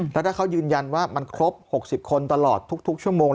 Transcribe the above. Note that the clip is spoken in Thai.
แล้วถ้าเขายืนยันว่ามันครบ๖๐คนตลอดทุกชั่วโมง